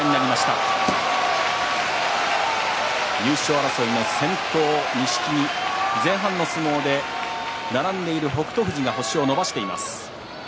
優勝争いの先頭、錦木前半の相撲で並んでいる北勝富士は星を伸ばしています。